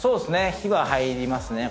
日は入りますね。